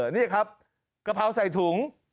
นี่ครับกะเพราใส่ถุง